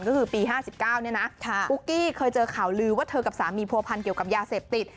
ก็คือปี๕๙เนี่ยนะปุ๊กกี้เคยเจอข่าวลือว่าเธอกับสามีผัวพันเกี่ยวกับยาเสพติด